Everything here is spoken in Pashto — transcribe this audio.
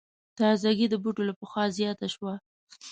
تازګي د بوټو له پخوا زیاته شوه.